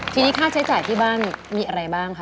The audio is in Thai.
ทีนี้ค่าใช้จ่ายที่บ้านมีอะไรบ้างคะ